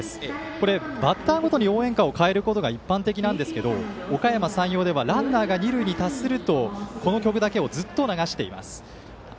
これバッターごとに応援歌を変えることが一般的なんですがおかやま山陽ではランナーが二塁に達するとこの曲だけをずっと流しています。